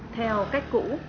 theo cách cũ